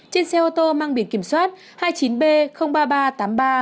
trên xe ô tô mang biển kiểm soát hai mươi chín b ba nghìn ba trăm tám mươi ba